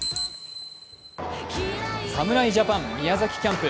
侍ジャパン、宮崎キャンプ。